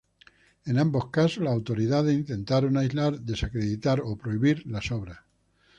En ambos casos, las autoridades intentaron aislar, desacreditar o prohibir las obras.